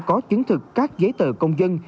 có chứng thực các giấy tờ công dân